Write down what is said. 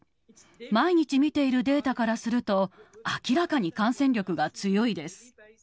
毎日見ているデータからすると、明らかに感染力が強いです。